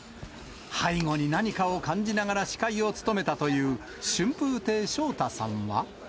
背後に何かを感じながら司会を務めたという春風亭昇太さんは。